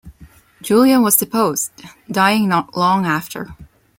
Julian was deposed, dying not long after.